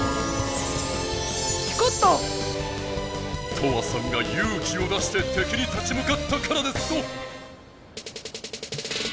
トアさんがゆう気を出しててきに立ちむかったからですぞ！